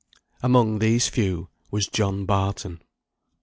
Among these few was John Barton.